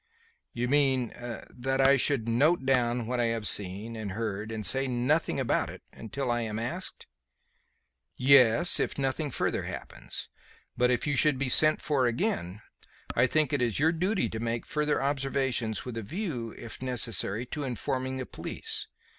"You mean that I should note down what I have seen and heard and say nothing about it until I am asked." "Yes; if nothing further happens. But if you should be sent for again, I think it is your duty to make further observations with a view, if necessary, to informing the police.